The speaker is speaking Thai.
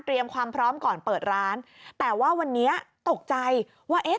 ความพร้อมก่อนเปิดร้านแต่ว่าวันนี้ตกใจว่าเอ๊ะ